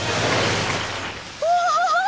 うわ！